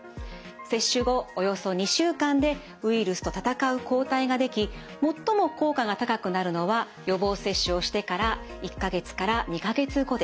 接種後およそ２週間でウイルスと闘う抗体ができ最も効果が高くなるのは予防接種をしてから１か月から２か月後です。